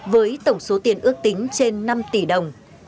với tổng số tiền ước tính trên năm tỷ đồng